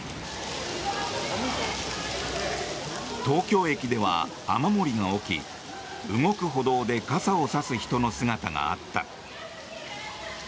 東京駅では雨漏りが起き動く歩道では傘を差す人の姿があった。